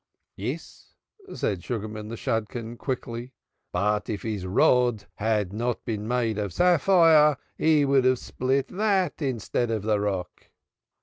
"Yes," said Sugarman the Shadchan, quickly; "but if his rod had not been made of sapphire he would have split that instead of the rock."